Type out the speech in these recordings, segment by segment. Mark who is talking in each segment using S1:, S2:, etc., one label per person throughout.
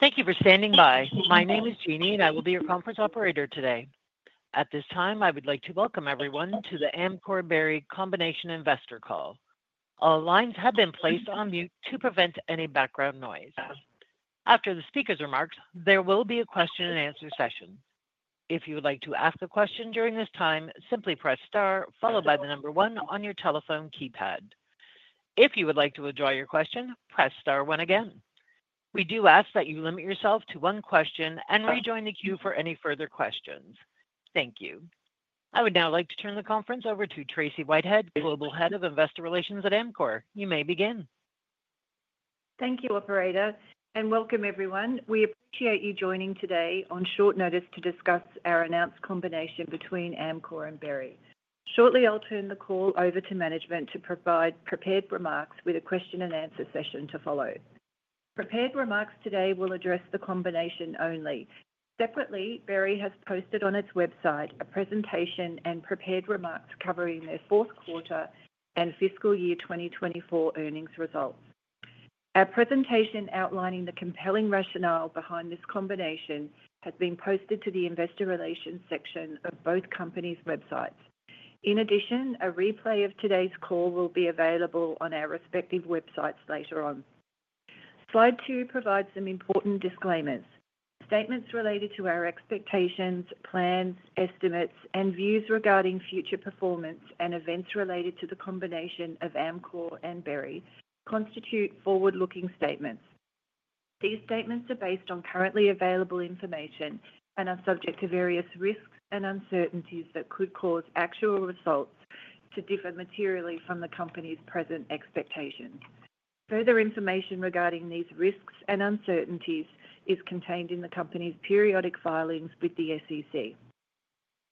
S1: Thank you for standing by. My name is Jeannie, and I will be your conference operator today. At this time, I would like to welcome everyone to the Amcor Berry Combination Investor Call. All lines have been placed on mute to prevent any background noise. After the speaker's remarks, there will be a question-and-answer session. If you would like to ask a question during this time, simply press star, followed by the number one on your telephone keypad. If you would like to withdraw your question, press star one again. We do ask that you limit yourself to one question and rejoin the queue for any further questions. Thank you. I would now like to turn the conference over to Tracy Whitehead, Global Head of Investor Relations at Amcor. You may begin.
S2: Thank you, Jeannie, and welcome, everyone. We appreciate you joining today on short notice to discuss our announced combination between Amcor and Berry. Shortly, I'll turn the call over to management to provide prepared remarks with a question-and-answer session to follow. Prepared remarks today will address the combination only. Separately, Berry has posted on its website a presentation and prepared remarks covering their fourth quarter and fiscal year 2024 earnings results. Our presentation outlining the compelling rationale behind this combination has been posted to the investor relations section of both companies' websites. In addition, a replay of today's call will be available on our respective websites later on. Slide two provides some important disclaimers. Statements related to our expectations, plans, estimates, and views regarding future performance and events related to the combination of Amcor and Berry constitute forward-looking statements. These statements are based on currently available information and are subject to various risks and uncertainties that could cause actual results to differ materially from the company's present expectations. Further information regarding these risks and uncertainties is contained in the company's periodic filings with the SEC.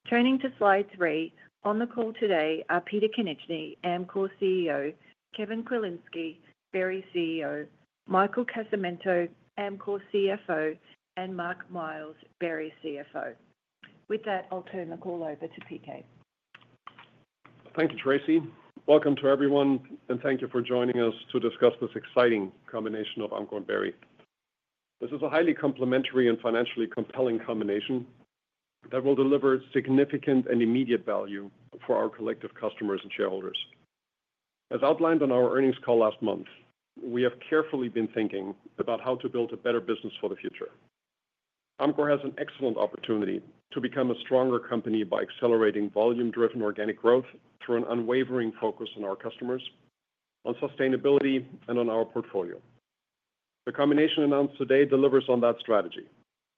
S2: Turning to slide three, on the call today are Peter Konieczny, Amcor CEO; Kevin Kwilinski, Berry CEO; Michael Casamento, Amcor CFO; and Mark Miles, Berry CFO. With that, I'll turn the call over to PK.
S3: Thank you, Tracy. Welcome to everyone, and thank you for joining us to discuss this exciting combination of Amcor and Berry. This is a highly complementary and financially compelling combination that will deliver significant and immediate value for our collective customers and shareholders. As outlined on our earnings call last month, we have carefully been thinking about how to build a better business for the future. Amcor has an excellent opportunity to become a stronger company by accelerating volume-driven organic growth through an unwavering focus on our customers, on sustainability, and on our portfolio. The combination announced today delivers on that strategy.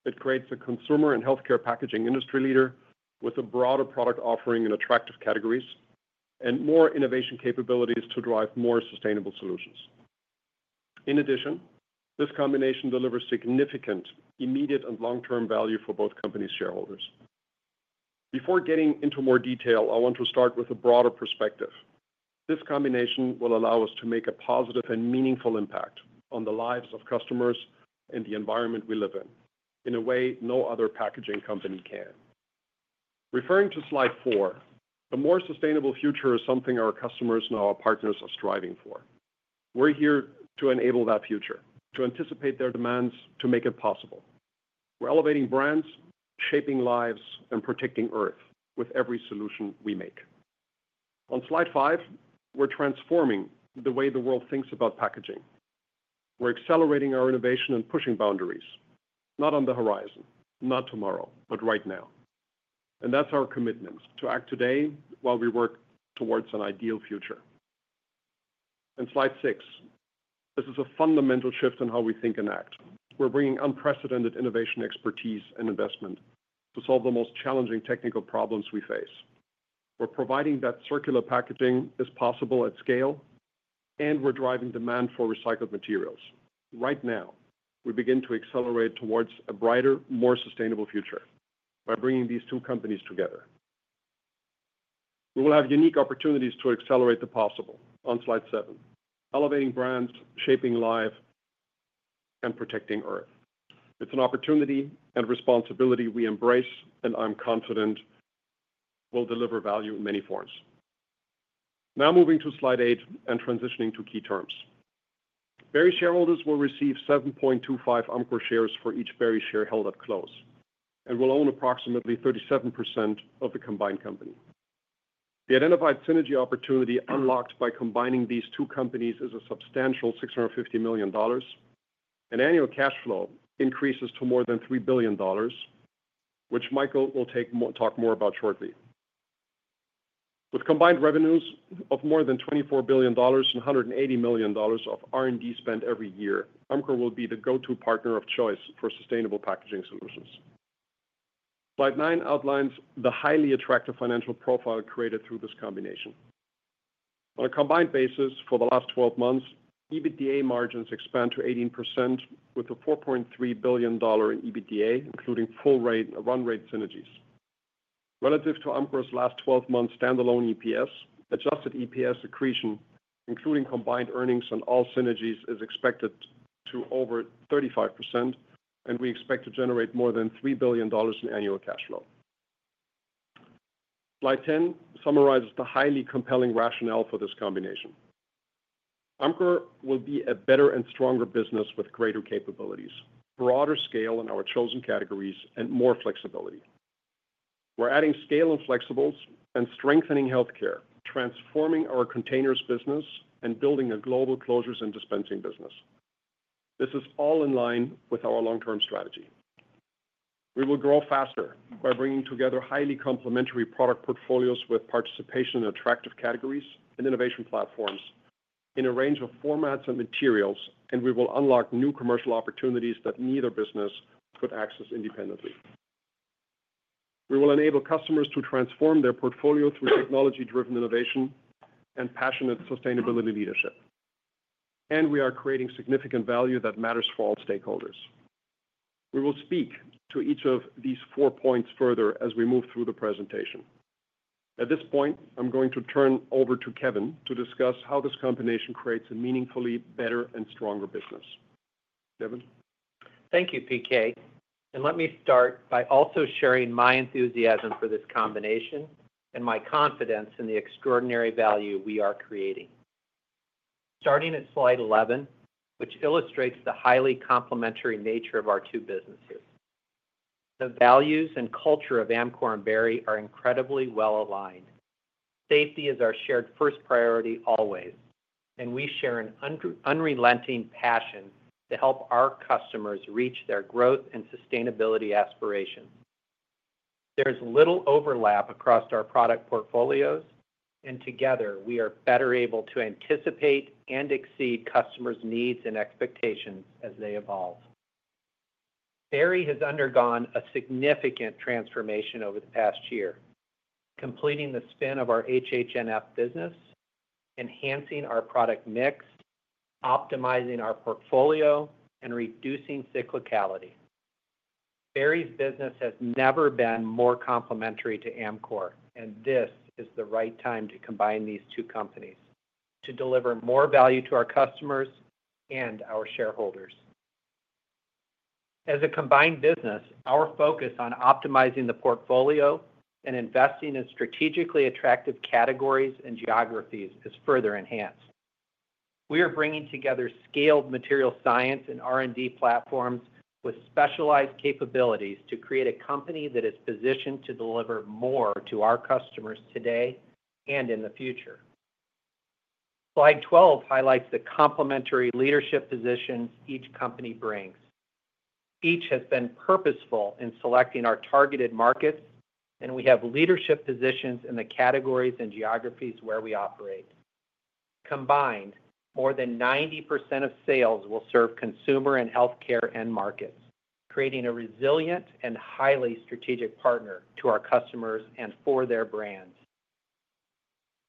S3: It creates a consumer and healthcare packaging industry leader with a broader product offering in attractive categories and more innovation capabilities to drive more sustainable solutions. In addition, this combination delivers significant immediate and long-term value for both companies' shareholders. Before getting into more detail, I want to start with a broader perspective. This combination will allow us to make a positive and meaningful impact on the lives of customers and the environment we live in in a way no other packaging company can. Referring to slide four, a more sustainable future is something our customers and our partners are striving for. We're here to enable that future, to anticipate their demands, to make it possible. We're elevating brands, shaping lives, and protecting Earth with every solution we make. On slide five, we're transforming the way the world thinks about packaging. We're accelerating our innovation and pushing boundaries, not on the horizon, not tomorrow, but right now, and that's our commitment to act today while we work towards an ideal future. On slide six, this is a fundamental shift in how we think and act. We're bringing unprecedented innovation, expertise, and investment to solve the most challenging technical problems we face. We're providing that circular packaging is possible at scale, and we're driving demand for recycled materials. Right now, we begin to accelerate towards a brighter, more sustainable future by bringing these two companies together. We will have unique opportunities to accelerate the possible. On slide seven, elevating brands, shaping lives, and protecting Earth. It's an opportunity and responsibility we embrace, and I'm confident we'll deliver value in many forms. Now moving to slide eight and transitioning to key terms. Berry shareholders will receive 7.25 Amcor shares for each Berry share held at close and will own approximately 37% of the combined company. The identified synergy opportunity unlocked by combining these two companies is a substantial $650 million. An annual cash flow increases to more than $3 billion, which Michael will talk more about shortly. With combined revenues of more than $24 billion and $180 million of R&D spent every year, Amcor will be the go-to partner of choice for sustainable packaging solutions. Slide nine outlines the highly attractive financial profile created through this combination. On a combined basis, for the last 12 months, EBITDA margins expand to 18% with $4.3 billion in EBITDA, including full-rate and run-rate synergies. Relative to Amcor's last 12 months' standalone EPS, adjusted EPS accretion, including combined earnings on all synergies, is expected to over 35%, and we expect to generate more than $3 billion in annual cash flow. Slide 10 summarizes the highly compelling rationale for this combination. Amcor will be a better and stronger business with greater capabilities, broader scale in our chosen categories, and more flexibility. We're adding scale and flexibles and strengthening healthcare, transforming our containers business, and building a global closures and dispensing business. This is all in line with our long-term strategy. We will grow faster by bringing together highly complementary product portfolios with participation in attractive categories and innovation platforms in a range of formats and materials, and we will unlock new commercial opportunities that neither business could access independently. We will enable customers to transform their portfolio through technology-driven innovation and passionate sustainability leadership, and we are creating significant value that matters for all stakeholders. We will speak to each of these four points further as we move through the presentation. At this point, I'm going to turn over to Kevin to discuss how this combination creates a meaningfully better and stronger business. Kevin.
S4: Thank you, PK. And let me start by also sharing my enthusiasm for this combination and my confidence in the extraordinary value we are creating. Starting at slide 11, which illustrates the highly complementary nature of our two businesses, the values and culture of Amcor and Berry are incredibly well aligned. Safety is our shared first priority always, and we share an unrelenting passion to help our customers reach their growth and sustainability aspirations. There's little overlap across our product portfolios, and together, we are better able to anticipate and exceed customers' needs and expectations as they evolve. Berry has undergone a significant transformation over the past year, completing the spin of our HH&F business, enhancing our product mix, optimizing our portfolio, and reducing cyclicality. Berry's business has never been more complementary to Amcor, and this is the right time to combine these two companies to deliver more value to our customers and our shareholders. As a combined business, our focus on optimizing the portfolio and investing in strategically attractive categories and geographies is further enhanced. We are bringing together scaled material science and R&D platforms with specialized capabilities to create a company that is positioned to deliver more to our customers today and in the future. Slide 12 highlights the complementary leadership positions each company brings. Each has been purposeful in selecting our targeted markets, and we have leadership positions in the categories and geographies where we operate. Combined, more than 90% of sales will serve consumer and healthcare end markets, creating a resilient and highly strategic partner to our customers and for their brands.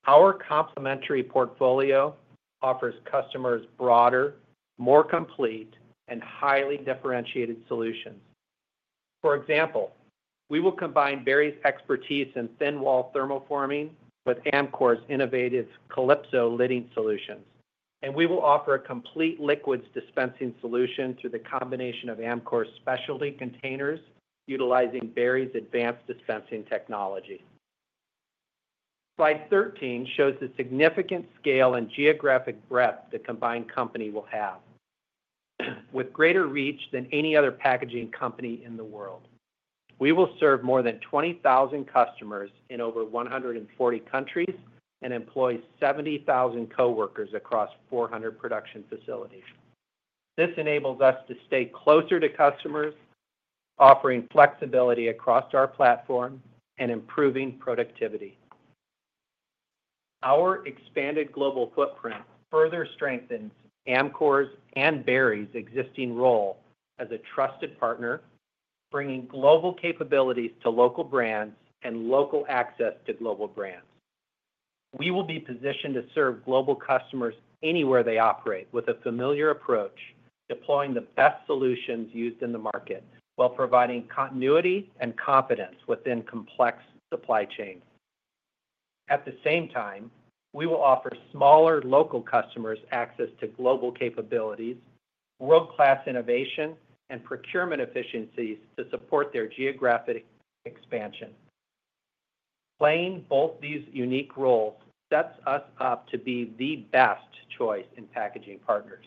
S4: Our complementary portfolio offers customers broader, more complete, and highly differentiated solutions. For example, we will combine Berry's expertise in thin-wall thermoforming with Amcor's innovative Calypso lidding solutions, and we will offer a complete liquids dispensing solution through the combination of Amcor's specialty containers utilizing Berry's advanced dispensing technology. Slide 13 shows the significant scale and geographic breadth the combined company will have, with greater reach than any other packaging company in the world. We will serve more than 20,000 customers in over 140 countries and employ 70,000 coworkers across 400 production facilities. This enables us to stay closer to customers, offering flexibility across our platform and improving productivity. Our expanded global footprint further strengthens Amcor's and Berry's existing role as a trusted partner, bringing global capabilities to local brands and local access to global brands. We will be positioned to serve global customers anywhere they operate with a familiar approach, deploying the best solutions used in the market while providing continuity and confidence within complex supply chains. At the same time, we will offer smaller local customers access to global capabilities, world-class innovation, and procurement efficiencies to support their geographic expansion. Playing both these unique roles sets us up to be the best choice in packaging partners.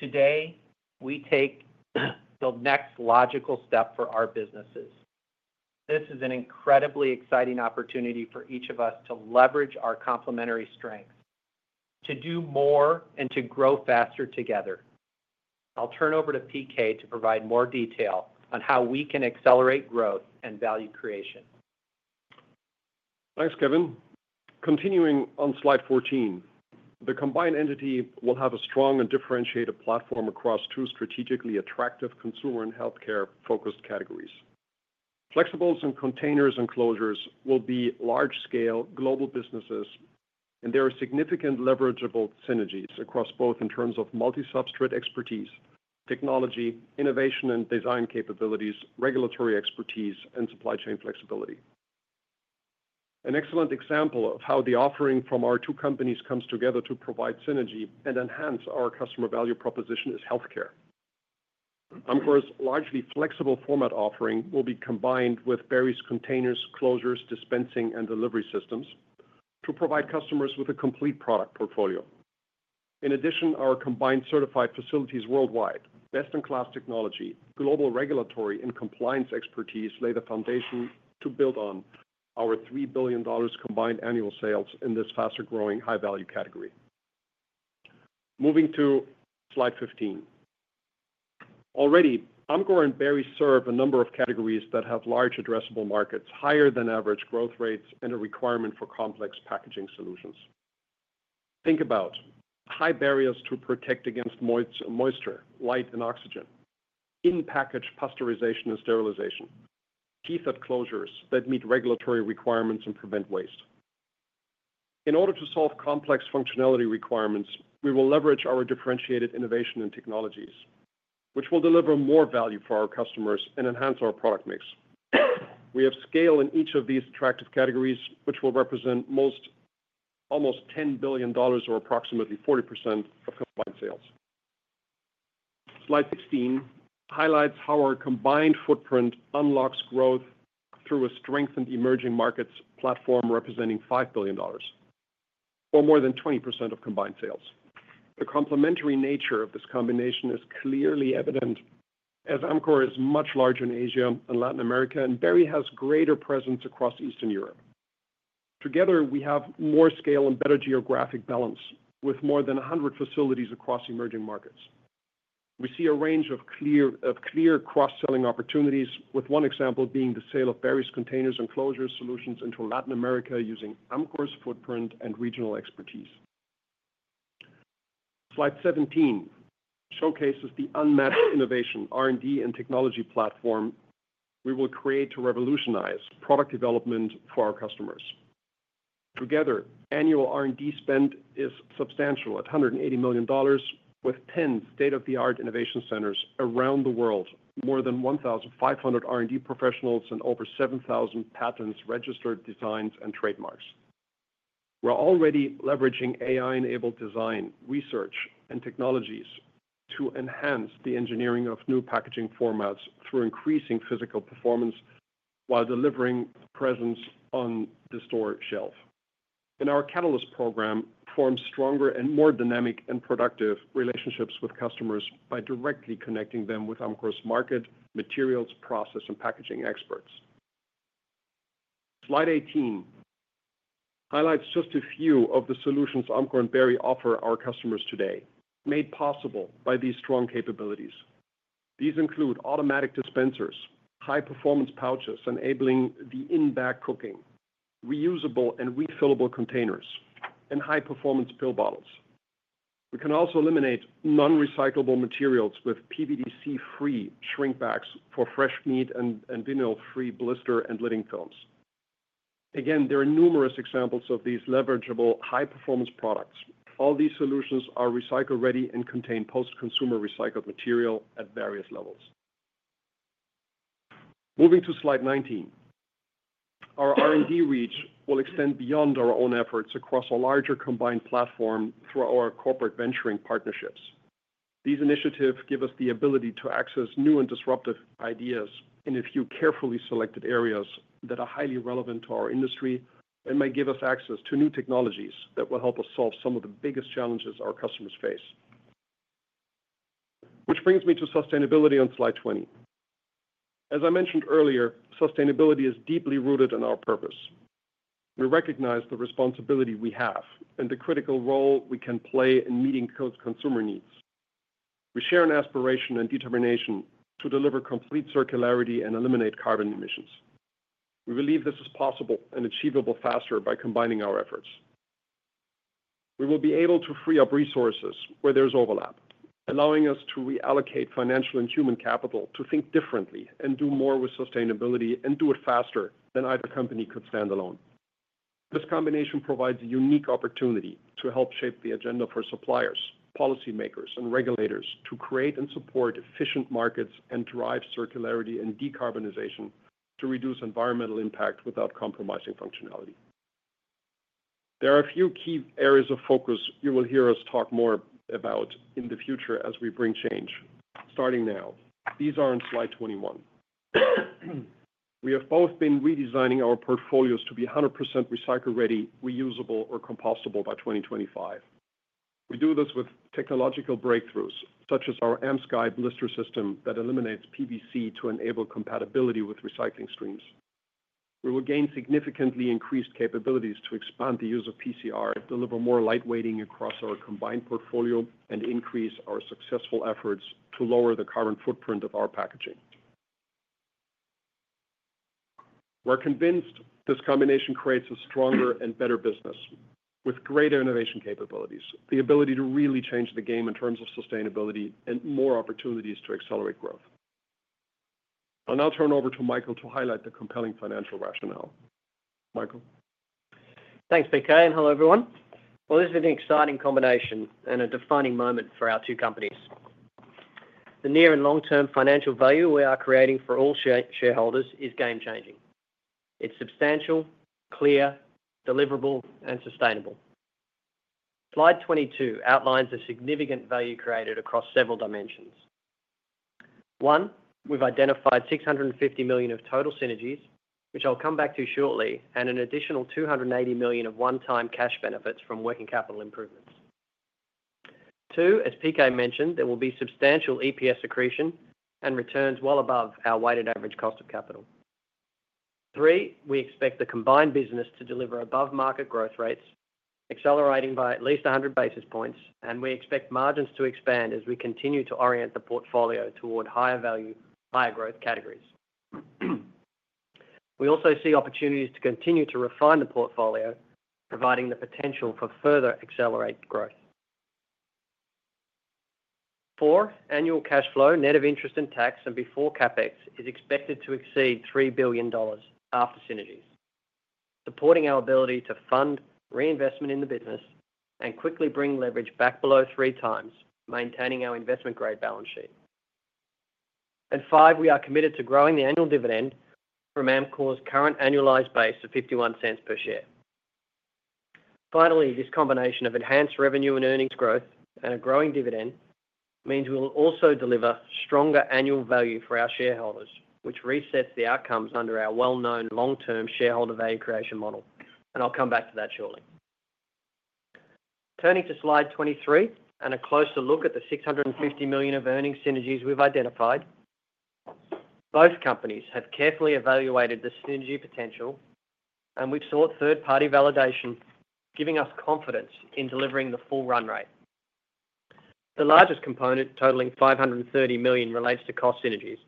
S4: Today, we take the next logical step for our businesses. This is an incredibly exciting opportunity for each of us to leverage our complementary strengths, to do more, and to grow faster together. I'll turn over to PK to provide more detail on how we can accelerate growth and value creation.
S3: Thanks, Kevin. Continuing on slide 14, the combined entity will have a strong and differentiated platform across two strategically attractive consumer and healthcare-focused categories. Flexibles and containers and closures will be large-scale global businesses, and there are significant leverageable synergies across both in terms of multi-substrate expertise, technology, innovation and design capabilities, regulatory expertise, and supply chain flexibility. An excellent example of how the offering from our two companies comes together to provide synergy and enhance our customer value proposition is healthcare. Amcor's largely flexible format offering will be combined with Berry's containers, closures, dispensing, and delivery systems to provide customers with a complete product portfolio. In addition, our combined certified facilities worldwide, best-in-class technology, global regulatory, and compliance expertise lay the foundation to build on our $3 billion combined annual sales in this faster-growing high-value category. Moving to slide 15. Already, Amcor and Berry serve a number of categories that have large addressable markets, higher-than-average growth rates, and a requirement for complex packaging solutions. Think about high barriers to protect against moisture, light, and oxygen, in-package pasteurization and sterilization, tethered closures that meet regulatory requirements and prevent waste. In order to solve complex functionality requirements, we will leverage our differentiated innovation and technologies, which will deliver more value for our customers and enhance our product mix. We have scale in each of these attractive categories, which will represent almost $10 billion or approximately 40% of combined sales. Slide 16 highlights how our combined footprint unlocks growth through a strengthened emerging markets platform representing $5 billion or more than 20% of combined sales. The complementary nature of this combination is clearly evident, as Amcor is much larger in Asia and Latin America, and Berry has greater presence across Eastern Europe. Together, we have more scale and better geographic balance with more than 100 facilities across emerging markets. We see a range of clear cross-selling opportunities, with one example being the sale of Berry's containers and closure solutions into Latin America using Amcor's footprint and regional expertise. Slide 17 showcases the unmatched innovation R&D and technology platform we will create to revolutionize product development for our customers. Together, annual R&D spend is substantial at $180 million, with 10 state-of-the-art innovation centers around the world, more than 1,500 R&D professionals, and over 7,000 patents, registered designs, and trademarks. We're already leveraging AI-enabled design, research, and technologies to enhance the engineering of new packaging formats through increasing physical performance while delivering presence on the store shelf. In our Catalyst program, form stronger and more dynamic and productive relationships with customers by directly connecting them with Amcor's engineered materials, process, and packaging experts. Slide 18 highlights just a few of the solutions Amcor and Berry offer our customers today, made possible by these strong capabilities. These include automatic dispensers, high-performance pouches enabling the in-bag cooking, reusable and refillable containers, and high-performance pill bottles. We can also eliminate non-recyclable materials with PVDC-free shrink bags for fresh meat and vinyl-free blister and lidding films. Again, there are numerous examples of these leverageable high-performance products. All these solutions are recycle-ready and contain post-consumer recycled material at various levels. Moving to slide 19, our R&D reach will extend beyond our own efforts across a larger combined platform through our corporate venturing partnerships. These initiatives give us the ability to access new and disruptive ideas in a few carefully selected areas that are highly relevant to our industry and may give us access to new technologies that will help us solve some of the biggest challenges our customers face. Which brings me to sustainability on slide 20. As I mentioned earlier, sustainability is deeply rooted in our purpose. We recognize the responsibility we have and the critical role we can play in meeting consumer needs. We share an aspiration and determination to deliver complete circularity and eliminate carbon emissions. We believe this is possible and achievable faster by combining our efforts. We will be able to free up resources where there's overlap, allowing us to reallocate financial and human capital to think differently and do more with sustainability and do it faster than either company could stand alone. This combination provides a unique opportunity to help shape the agenda for suppliers, policymakers, and regulators to create and support efficient markets and drive circularity and decarbonization to reduce environmental impact without compromising functionality. There are a few key areas of focus you will hear us talk more about in the future as we bring change, starting now. These are on slide 21. We have both been redesigning our portfolios to be 100% recycle-ready, reusable, or compostable by 2025. We do this with technological breakthroughs such as our AmSky blister system that eliminates PVC to enable compatibility with recycling streams. We will gain significantly increased capabilities to expand the use of PCR, deliver more lightweighting across our combined portfolio, and increase our successful efforts to lower the current footprint of our packaging. We're convinced this combination creates a stronger and better business with greater innovation capabilities, the ability to really change the game in terms of sustainability and more opportunities to accelerate growth. I'll now turn over to Michael to highlight the compelling financial rationale. Michael.
S5: Thanks, PK, and hello, everyone. This has been an exciting combination and a defining moment for our two companies. The near and long-term financial value we are creating for all shareholders is game-changing. It's substantial, clear, deliverable, and sustainable. Slide 22 outlines a significant value created across several dimensions. One, we've identified $650 million of total synergies, which I'll come back to shortly, and an additional $280 million of one-time cash benefits from working capital improvements. Two, as PK mentioned, there will be substantial EPS accretion and returns well above our weighted average cost of capital. Three, we expect the combined business to deliver above-market growth rates, accelerating by at least 100 basis points, and we expect margins to expand as we continue to orient the portfolio toward higher-value, higher-growth categories. We also see opportunities to continue to refine the portfolio, providing the potential for further accelerated growth. Four, annual cash flow, net of interest and tax, and before CapEx is expected to exceed $3 billion after synergies, supporting our ability to fund reinvestment in the business and quickly bring leverage back below three times, maintaining our investment-grade balance sheet, and five, we are committed to growing the annual dividend from Amcor's current annualized base of $0.51 per share. Finally, this combination of enhanced revenue and earnings growth and a growing dividend means we will also deliver stronger annual value for our shareholders, which resets the outcomes under our well-known long-term shareholder value creation model, and I'll come back to that shortly. Turning to slide 23 and a closer look at the $650 million of earnings synergies we've identified, both companies have carefully evaluated the synergy potential, and we've sought third-party validation, giving us confidence in delivering the full run rate. The largest component, totaling $530 million, relates to cost synergies,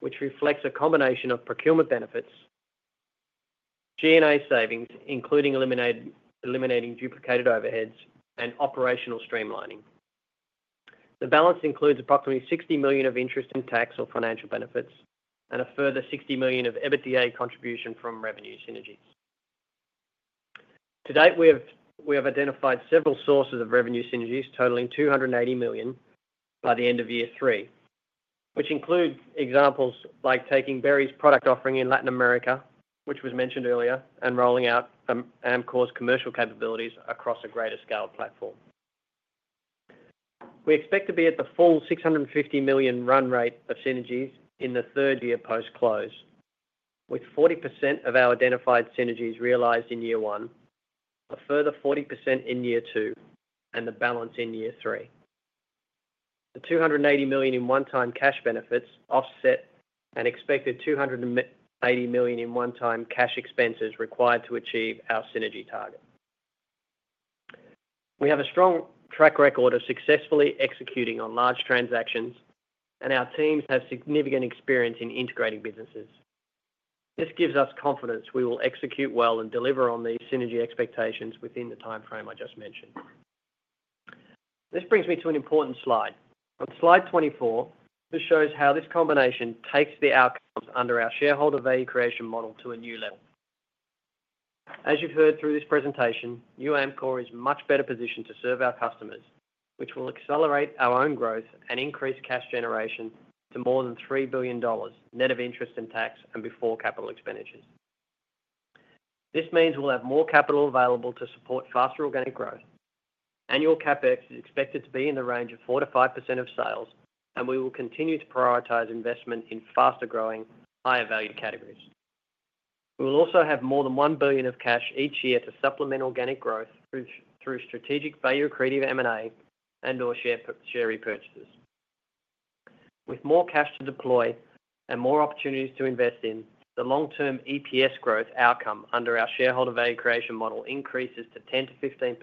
S5: which reflects a combination of procurement benefits, G&A savings, including eliminating duplicated overheads, and operational streamlining. The balance includes approximately $60 million of interest and tax or financial benefits and a further $60 million of EBITDA contribution from revenue synergies. To date, we have identified several sources of revenue synergies totaling $280 million by the end of year three, which includes examples like taking Berry's product offering in Latin America, which was mentioned earlier, and rolling out Amcor's commercial capabilities across a greater scale platform. We expect to be at the full $650 million run rate of synergies in the third year post-close, with 40% of our identified synergies realized in year one, a further 40% in year two, and the balance in year three. The $280 million in one-time cash benefits offset an expected $280 million in one-time cash expenses required to achieve our synergy target. We have a strong track record of successfully executing on large transactions, and our teams have significant experience in integrating businesses. This gives us confidence we will execute well and deliver on these synergy expectations within the timeframe I just mentioned. This brings me to an important slide. On slide 24, this shows how this combination takes the outcomes under our shareholder value creation model to a new level. As you've heard through this presentation, new Amcor is much better positioned to serve our customers, which will accelerate our own growth and increase cash generation to more than $3 billion net of interest and tax and before capital expenditures. This means we'll have more capital available to support faster organic growth. Annual CapEx is expected to be in the range of 4%-5% of sales, and we will continue to prioritize investment in faster-growing, higher-value categories. We will also have more than $1 billion of cash each year to supplement organic growth through strategic value accretive M&A and/or share repurchases. With more cash to deploy and more opportunities to invest in, the long-term EPS growth outcome under our shareholder value creation model increases to 10%-15%,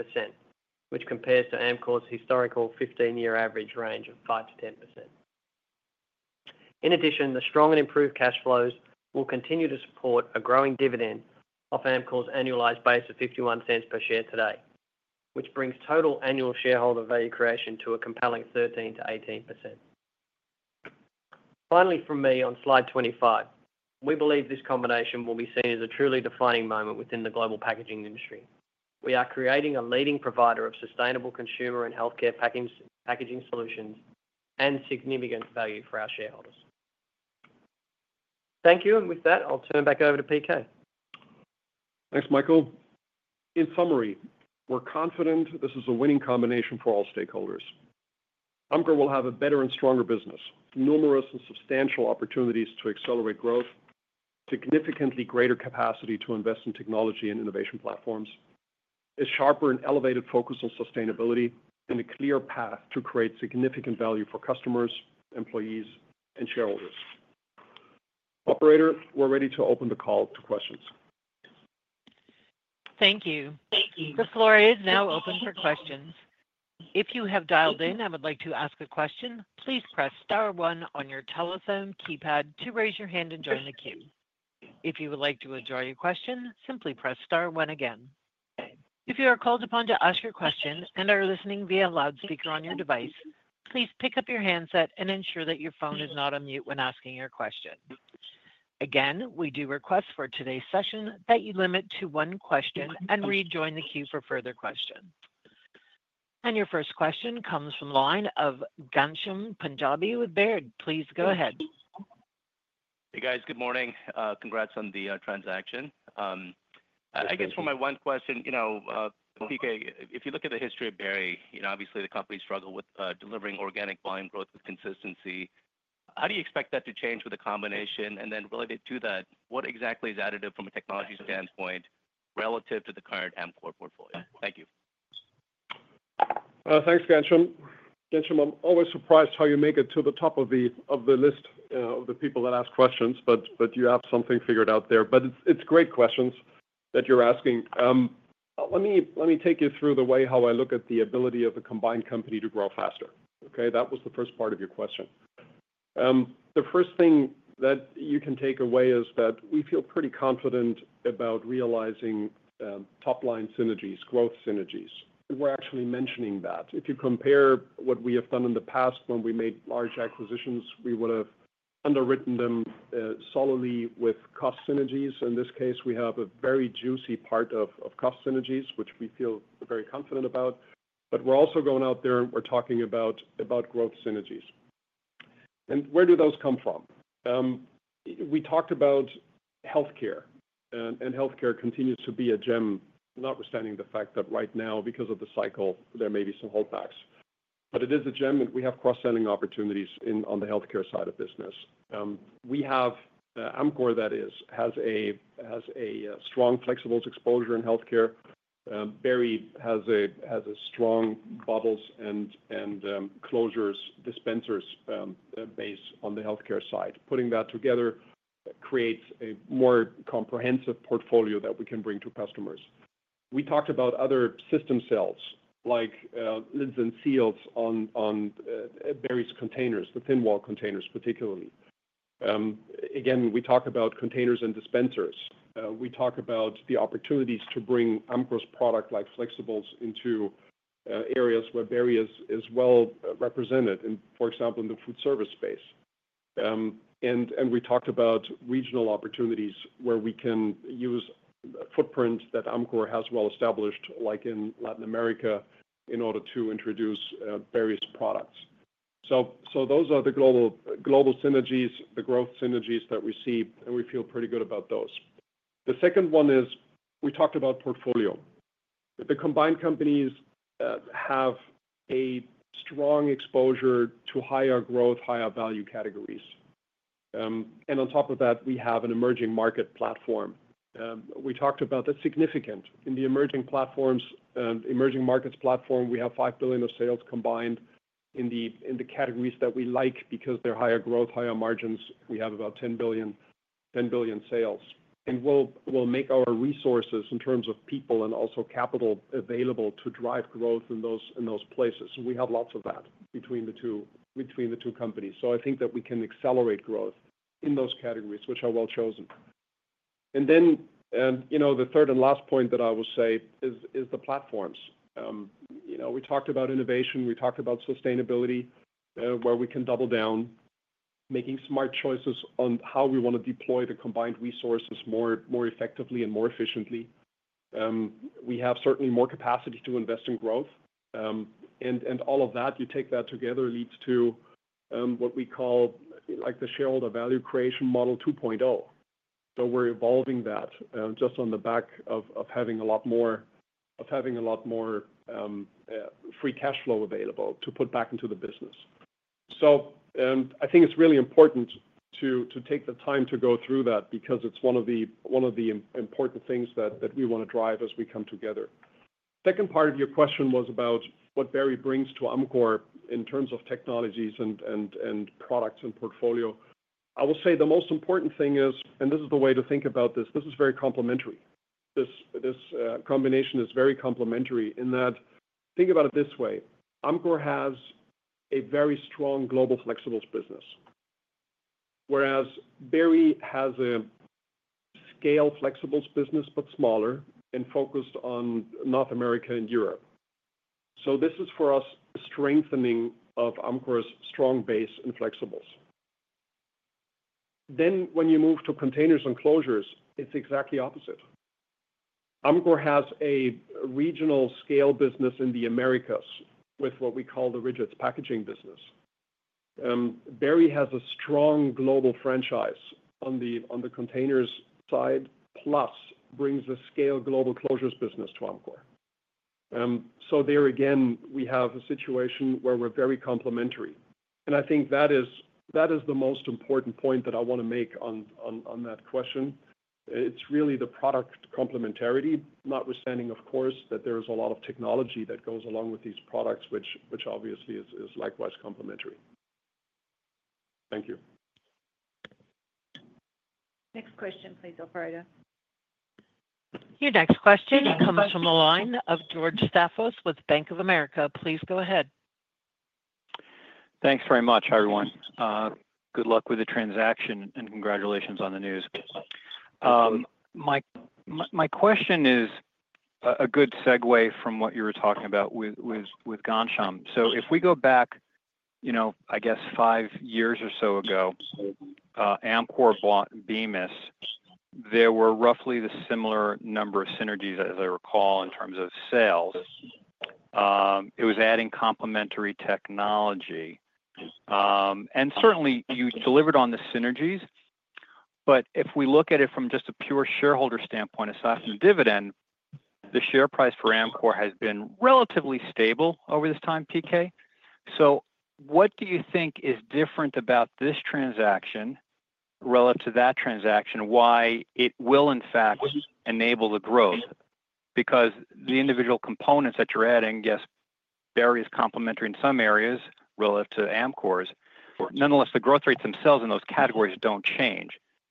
S5: which compares to Amcor's historical 15-year average range of 5%-10%. In addition, the strong and improved cash flows will continue to support a growing dividend off Amcor's annualized base of $0.51 per share today, which brings total annual shareholder value creation to a compelling 13-18%. Finally, from me on slide 25, we believe this combination will be seen as a truly defining moment within the global packaging industry. We are creating a leading provider of sustainable consumer and healthcare packaging solutions and significant value for our shareholders. Thank you. And with that, I'll turn back over to PK.
S3: Thanks, Michael. In summary, we're confident this is a winning combination for all stakeholders. Amcor will have a better and stronger business, numerous and substantial opportunities to accelerate growth, significantly greater capacity to invest in technology and innovation platforms, a sharper and elevated focus on sustainability, and a clear path to create significant value for customers, employees, and shareholders. Operator, we're ready to open the call to questions.
S1: Thank you. The floor is now open for questions. If you have dialed in and would like to ask a question, please press star one on your telephone keypad to raise your hand and join the queue. If you would like to withdraw your question, simply press star one again. If you are called upon to ask your question and are listening via loudspeaker on your device, please pick up your handset and ensure that your phone is not on mute when asking your question. Again, we do request for today's session that you limit to one question and rejoin the queue for further questions. And your first question comes from the line of Ghansham Panjabi with Baird. Please go ahead.
S6: Hey, guys. Good morning. Congrats on the transaction. I guess for my one question, PK, if you look at the history of Berry, obviously, the company struggled with delivering organic volume growth with consistency. How do you expect that to change with the combination? And then related to that, what exactly is additive from a technology standpoint relative to the current Amcor portfolio? Thank you.
S3: Thanks, Ghansham. Ghansham, I'm always surprised how you make it to the top of the list of the people that ask questions, but you have something figured out there. But it's great questions that you're asking. Let me take you through the way how I look at the ability of a combined company to grow faster. Okay? That was the first part of your question. The first thing that you can take away is that we feel pretty confident about realizing top-line synergies, growth synergies. And we're actually mentioning that. If you compare what we have done in the past when we made large acquisitions, we would have underwritten them solidly with cost synergies. In this case, we have a very juicy part of cost synergies, which we feel very confident about. But we're also going out there and we're talking about growth synergies. And where do those come from? We talked about healthcare, and healthcare continues to be a gem, notwithstanding the fact that right now, because of the cycle, there may be some holdbacks, but it is a gem, and we have cross-selling opportunities on the healthcare side of business. We have Amcor, that is, has a strong flexibles exposure in healthcare. Berry has a strong bottles and closures dispensers base on the healthcare side. Putting that together creates a more comprehensive portfolio that we can bring to customers. We talked about other synergies, like lids and seals on Berry's containers, the thin-wall containers particularly. Again, we talk about containers and dispensers. We talk about the opportunities to bring Amcor's product like flexibles into areas where Berry is well represented, for example, in the food service space. We talked about regional opportunities where we can use the footprint that Amcor has well established, like in Latin America, in order to introduce Berry's products. Those are the global synergies, the growth synergies that we see, and we feel pretty good about those. The second one is we talked about portfolio. The combined companies have a strong exposure to higher growth, higher value categories. On top of that, we have an emerging market platform. We talked about the significance in the emerging platforms. Emerging markets platform, we have $5 billion of sales combined in the categories that we like because they're higher growth, higher margins. We have about $10 billion sales. We'll make our resources in terms of people and also capital available to drive growth in those places. We have lots of that between the two companies. So I think that we can accelerate growth in those categories, which are well chosen. And then the third and last point that I will say is the platforms. We talked about innovation. We talked about sustainability, where we can double down, making smart choices on how we want to deploy the combined resources more effectively and more efficiently. We have certainly more capacity to invest in growth. And all of that, you take that together, leads to what we call the Shareholder Value Creation Model 2.0. So we're evolving that just on the back of having a lot more free cash flow available to put back into the business. So I think it's really important to take the time to go through that because it's one of the important things that we want to drive as we come together. Second part of your question was about what Berry brings to Amcor in terms of technologies and products and portfolio. I will say the most important thing is, and this is the way to think about this, this is very complementary. This combination is very complementary in that think about it this way. Amcor has a very strong global flexibles business, whereas Berry has a scale flexibles business, but smaller and focused on North America and Europe. So this is for us a strengthening of Amcor's strong base in flexibles. Then when you move to containers and closures, it's exactly opposite. Amcor has a regional scale business in the Americas with what we call the rigid packaging business. Berry has a strong global franchise on the containers side, plus brings the scale global closures business to Amcor. So there again, we have a situation where we're very complementary. I think that is the most important point that I want to make on that question. It's really the product complementarity, notwithstanding, of course, that there is a lot of technology that goes along with these products, which obviously is likewise complementary. Thank you.
S2: Next question, please, Operator.
S1: Your next question comes from the line of George Staphos with Bank of America. Please go ahead.
S7: Thanks very much, everyone. Good luck with the transaction and congratulations on the news. My question is a good segue from what you were talking about with Ghansham. So if we go back, I guess, five years or so ago, Amcor bought Bemis. There were roughly the similar number of synergies, as I recall, in terms of sales. It was adding complementary technology. And certainly, you delivered on the synergies. But if we look at it from just a pure shareholder standpoint, aside from the dividend, the share price for Amcor has been relatively stable over this time, PK. So what do you think is different about this transaction relative to that transaction, why it will, in fact, enable the growth? Because the individual components that you're adding, yes, Berry is complementary in some areas relative to Amcor's. Nonetheless, the growth rates themselves in those categories don't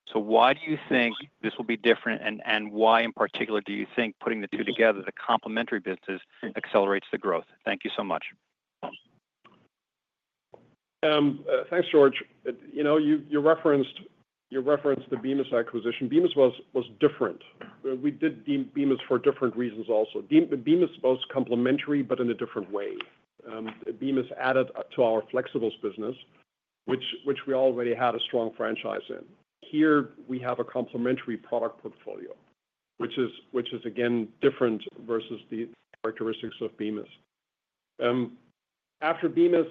S7: change. So why do you think this will be different? And why, in particular, do you think putting the two together, the complementary business, accelerates the growth? Thank you so much.
S3: Thanks, George. You referenced the Bemis acquisition. Bemis was different. We did Bemis for different reasons also. Bemis was complementary, but in a different way. Bemis added to our flexibles business, which we already had a strong franchise in. Here, we have a complementary product portfolio, which is, again, different versus the characteristics of Bemis. After Bemis,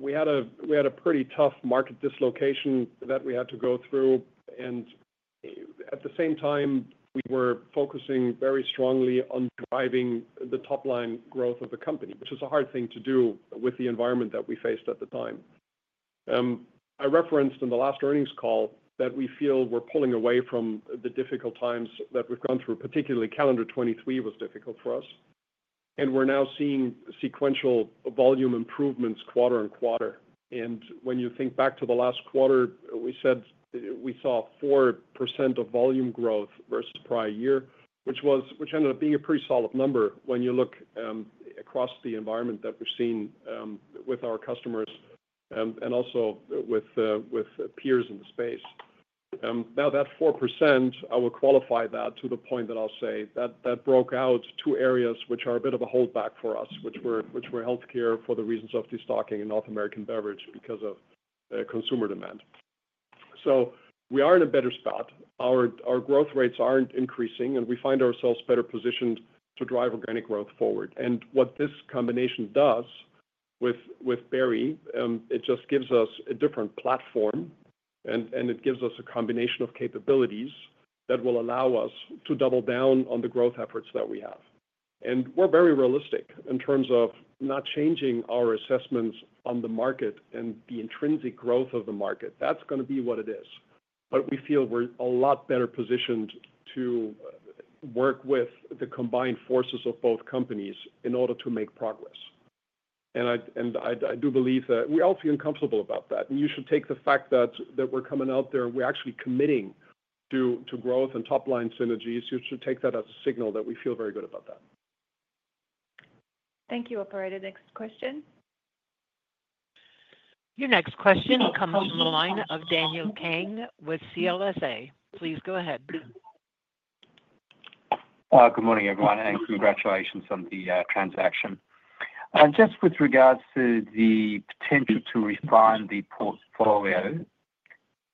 S3: we had a pretty tough market dislocation that we had to go through, and at the same time, we were focusing very strongly on driving the top-line growth of the company, which is a hard thing to do with the environment that we faced at the time. I referenced in the last earnings call that we feel we're pulling away from the difficult times that we've gone through, particularly calendar 2023 was difficult for us, and we're now seeing sequential volume improvements quarter on quarter. And when you think back to the last quarter, we said we saw 4% of volume growth versus prior year, which ended up being a pretty solid number when you look across the environment that we've seen with our customers and also with peers in the space. Now, that 4%, I will qualify that to the point that I'll say that broke out two areas which are a bit of a holdback for us, which were healthcare for the reasons of destocking and North American beverage because of consumer demand. So we are in a better spot. Our growth rates aren't increasing, and we find ourselves better positioned to drive organic growth forward. And what this combination does with Berry, it just gives us a different platform, and it gives us a combination of capabilities that will allow us to double down on the growth efforts that we have. And we're very realistic in terms of not changing our assessments on the market and the intrinsic growth of the market. That's going to be what it is. But we feel we're a lot better positioned to work with the combined forces of both companies in order to make progress. And I do believe that we all feel comfortable about that. And you should take the fact that we're coming out there and we're actually committing to growth and top-line synergies. You should take that as a signal that we feel very good about that.
S2: Thank you, Operator. Next question.
S1: Your next question comes from the line of Daniel Kang with CLSA. Please go ahead.
S8: Good morning, everyone, and congratulations on the transaction. Just with regards to the potential to refine the portfolio,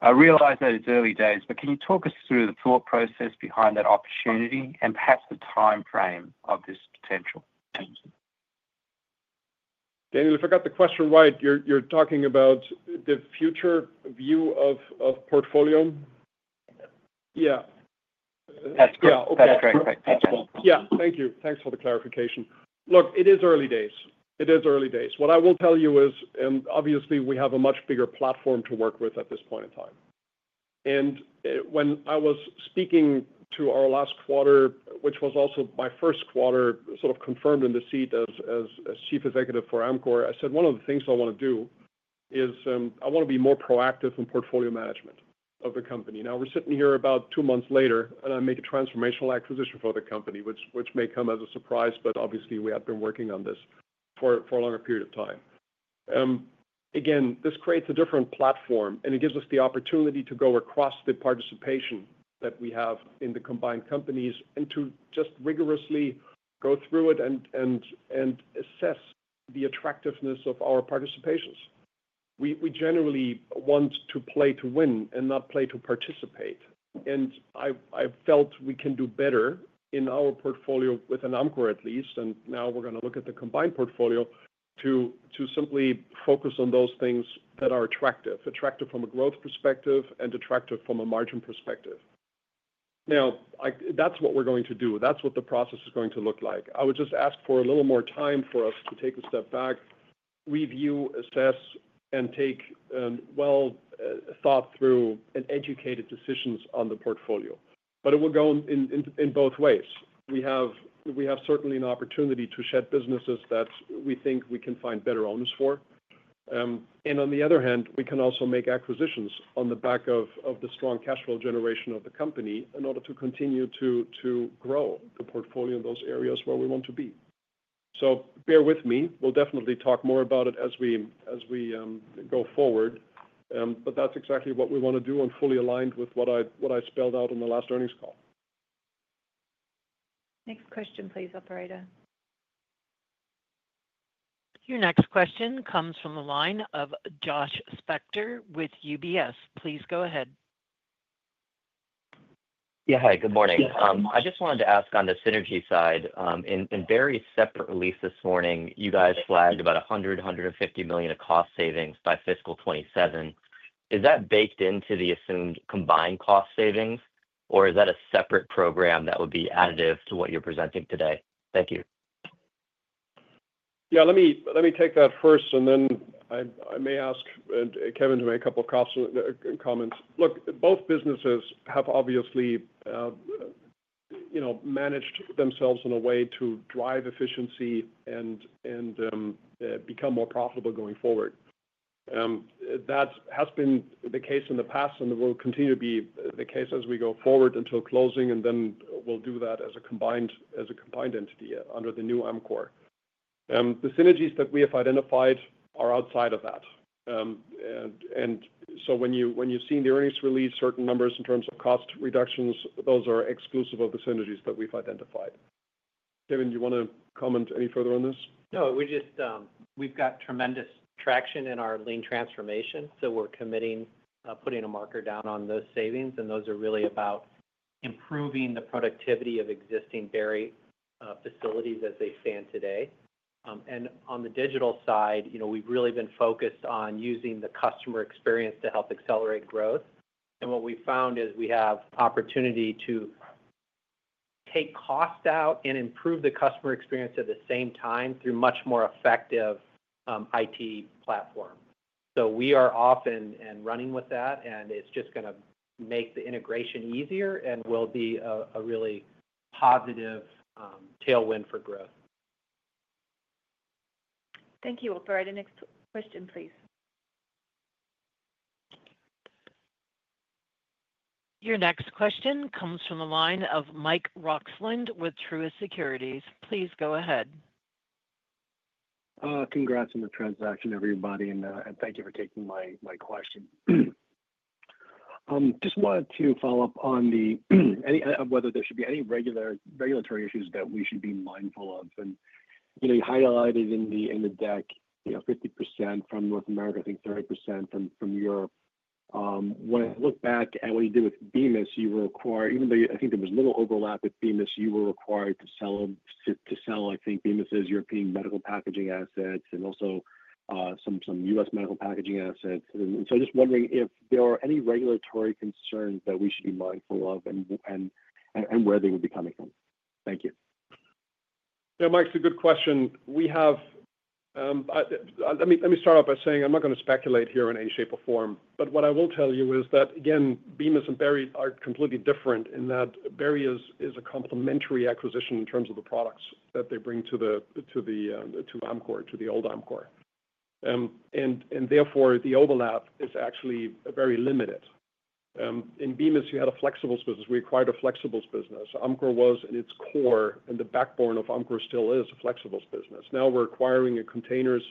S8: I realize that it's early days, but can you talk us through the thought process behind that opportunity and perhaps the timeframe of this potential?
S3: Daniel, I forgot the question. You're talking about the future view of portfolio?
S8: Yeah. That's correct.
S3: Yeah. Thank you. Thanks for the clarification. Look, it is early days. It is early days. What I will tell you is, and obviously, we have a much bigger platform to work with at this point in time. And when I was speaking to our last quarter, which was also my first quarter, sort of confirmed in the seat as Chief Executive for Amcor, I said one of the things I want to do is I want to be more proactive in portfolio management of the company. Now, we're sitting here about two months later, and I make a transformational acquisition for the company, which may come as a surprise, but obviously, we have been working on this for a longer period of time. Again, this creates a different platform, and it gives us the opportunity to go across the participation that we have in the combined companies and to just rigorously go through it and assess the attractiveness of our participations. We generally want to play to win and not play to participate. And I felt we can do better in our portfolio within Amcor, at least, and now we're going to look at the combined portfolio to simply focus on those things that are attractive, attractive from a growth perspective and attractive from a margin perspective. Now, that's what we're going to do. That's what the process is going to look like. I would just ask for a little more time for us to take a step back, review, assess, and take well-thought-through and educated decisions on the portfolio. But it will go in both ways. We have certainly an opportunity to shed businesses that we think we can find better owners for, and on the other hand, we can also make acquisitions on the back of the strong cash flow generation of the company in order to continue to grow the portfolio in those areas where we want to be, so bear with me. We'll definitely talk more about it as we go forward, but that's exactly what we want to do and fully aligned with what I spelled out in the last earnings call.
S2: Next question, please, Operator.
S1: Your next question comes from the line of Josh Spector with UBS. Please go ahead.
S9: Yeah. Hi. Good morning. I just wanted to ask on the synergy side. In Berry's separate release this morning, you guys flagged about $100 million-$150 million of cost savings by fiscal 2027. Is that baked into the assumed combined cost savings, or is that a separate program that would be additive to what you're presenting today? Thank you.
S3: Yeah. Let me take that first, and then I may ask Kevin to make a couple of comments. Look, both businesses have obviously managed themselves in a way to drive efficiency and become more profitable going forward. That has been the case in the past, and it will continue to be the case as we go forward until closing, and then we'll do that as a combined entity under the new Amcor. The synergies that we have identified are outside of that. And so when you've seen the earnings release, certain numbers in terms of cost reductions, those are exclusive of the synergies that we've identified. Kevin, do you want to comment any further on this?
S4: No. We've got tremendous traction in our lean transformation, so we're putting a marker down on those savings. And those are really about improving the productivity of existing Berry facilities as they stand today. And on the digital side, we've really been focused on using the customer experience to help accelerate growth. And what we found is we have the opportunity to take cost out and improve the customer experience at the same time through a much more effective IT platform. So we are off and running with that, and it's just going to make the integration easier and will be a really positive tailwind for growth.
S2: Thank you, Operator. Next question, please.
S1: Your next question comes from the line of Mike Roxland with Truist Securities. Please go ahead.
S10: Congrats on the transaction, everybody, and thank you for taking my question. Just wanted to follow up on whether there should be any regulatory issues that we should be mindful of. And you highlighted in the deck 50% from North America, I think 30% from Europe. When I look back at what you did with Bemis, you were required, even though I think there was little overlap with Bemis, you were required to sell, I think, Bemis's European medical packaging assets and also some U.S. medical packaging assets. And so just wondering if there are any regulatory concerns that we should be mindful of and where they would be coming from. Thank you.
S3: Yeah. Mike, it's a good question. Let me start off by saying I'm not going to speculate here in any shape or form, but what I will tell you is that, again, Bemis and Berry are completely different in that Berry is a complementary acquisition in terms of the products that they bring to Amcor, to the old Amcor. And therefore, the overlap is actually very limited. In Bemis, you had a flexibles business. We acquired a flexibles business. Amcor was, in its core, and the backbone of Amcor still is a flexibles business. Now we're acquiring containers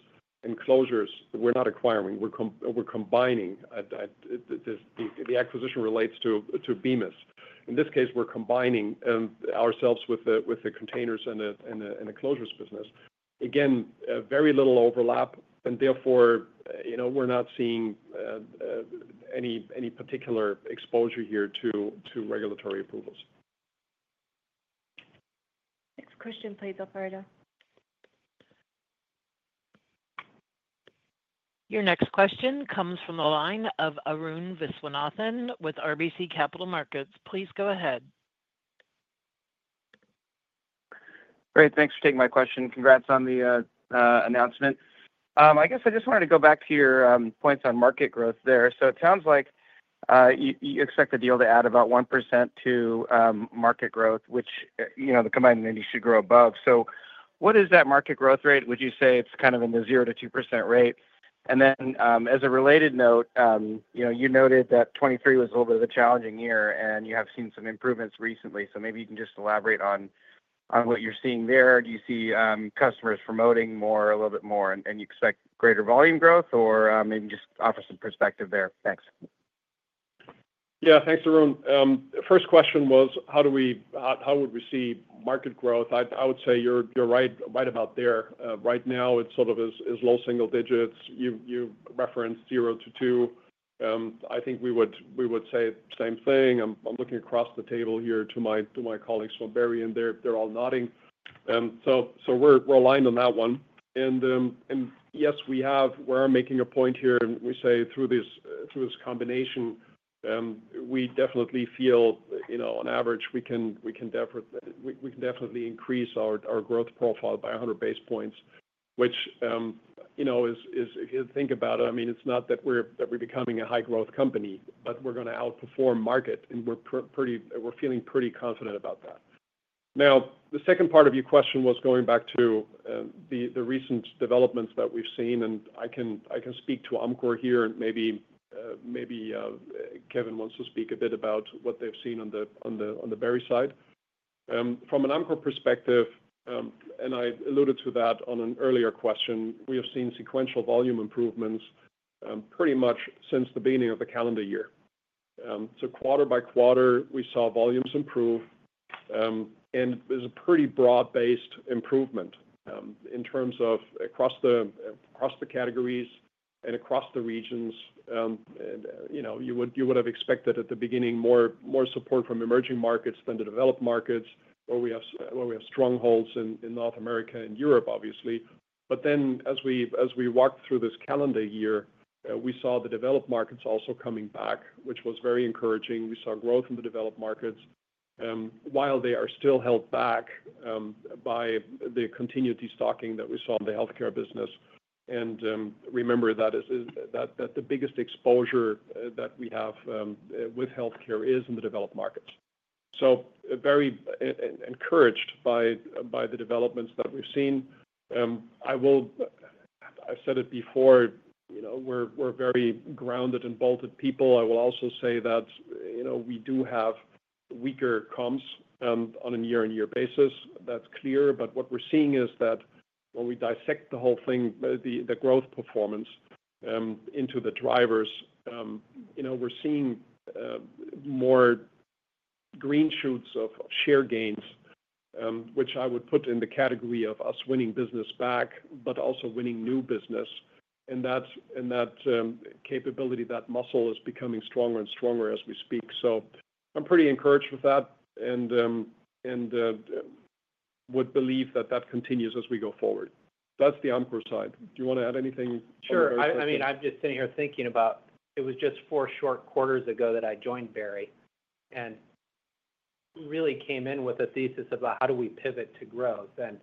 S3: and closures. We're not acquiring. We're combining. The acquisition relates to Bemis. In this case, we're combining ourselves with the containers and the closures business. Again, very little overlap, and therefore, we're not seeing any particular exposure here to regulatory approvals.
S2: Next question, please, Operator.
S1: Your next question comes from the line of Arun Viswanathan with RBC Capital Markets. Please go ahead.
S11: Great. Thanks for taking my question. Congrats on the announcement. I guess I just wanted to go back to your points on market growth there. So it sounds like you expect the deal to add about 1% to market growth, which the combined entity should grow above. So what is that market growth rate? Would you say it's kind of in the 0 to 2% rate? And then as a related note, you noted that 2023 was a little bit of a challenging year, and you have seen some improvements recently. So maybe you can just elaborate on what you're seeing there. Do you see customers promoting a little bit more, and you expect greater volume growth, or maybe just offer some perspective there? Thanks.
S3: Yeah. Thanks, Arun. First question was, how would we see market growth? I would say you're right about there. Right now, it sort of is low single digits. You referenced 0 to 2. I think we would say the same thing. I'm looking across the table here to my colleagues from Berry, and they're all nodding. So we're aligned on that one. And yes, we are making a point here, and we say through this combination, we definitely feel, on average, we can definitely increase our growth profile by 100 basis points, which if you think about it, I mean, it's not that we're becoming a high-growth company, but we're going to outperform market, and we're feeling pretty confident about that. Now, the second part of your question was going back to the recent developments that we've seen, and I can speak to Amcor here, and maybe Kevin wants to speak a bit about what they've seen on the Berry side. From an Amcor perspective, and I alluded to that on an earlier question, we have seen sequential volume improvements pretty much since the beginning of the calendar year. So quarter by quarter, we saw volumes improve, and it was a pretty broad-based improvement in terms of across the categories and across the regions. You would have expected at the beginning more support from emerging markets than the developed markets, where we have strongholds in North America and Europe, obviously. But then as we walked through this calendar year, we saw the developed markets also coming back, which was very encouraging. We saw growth in the developed markets while they are still held back by the continued destocking that we saw in the healthcare business. And remember that the biggest exposure that we have with healthcare is in the developed markets. So very encouraged by the developments that we've seen. I said it before, we're very grounded and bolted people. I will also say that we do have weaker comms on a year-on-year basis. That's clear. But what we're seeing is that when we dissect the whole thing, the growth performance into the drivers, we're seeing more green shoots of share gains, which I would put in the category of us winning business back, but also winning new business. And that capability, that muscle is becoming stronger and stronger as we speak. So I'm pretty encouraged with that and would believe that that continues as we go forward. That's the Amcor side. Do you want to add anything?
S4: Sure. I mean, I'm just sitting here thinking about, it was just four short quarters ago that I joined Berry and really came in with a thesis about how do we pivot to growth. And